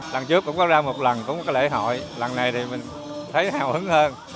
lần trước cũng có ra một lần cũng có lễ hội lần này thì mình thấy hào hứng hơn